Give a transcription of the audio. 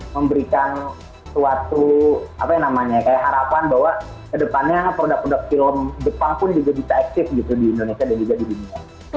memberikan suatu harapan bahwa kedepannya produk produk film jepang pun juga bisa eksis gitu di indonesia dan juga di dunia